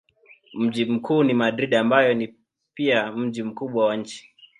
Mji mkuu ni Madrid ambayo ni pia mji mkubwa wa nchi.